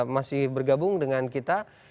masih bergabung dengan kita